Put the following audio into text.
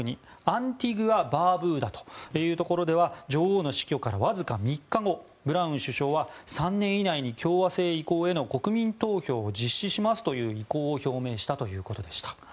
アンティグア・バーブーダでは女王の死去からわずか３日後ブラウン首相は３年以内に共和制移行への国民投票を実施しますという意向を表明したということです。